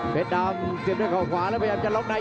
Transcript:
เพชรดำเสียบด้วยข้อขวาแล้วพยายามจะล๊อคไหน